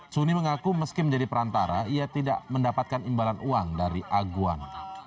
suni mengaku meski menjadi perantara ia tidak mendapatkan imbalan uang dari aguan